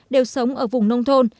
đều sống ở vùng nông thôn